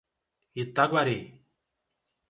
Itaguari